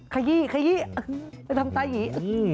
ขยี้ขยี้ในตั้งใจ